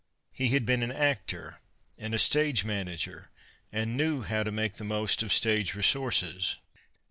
He had been an actor and a stage manager and knew how to make the very most of stage resources.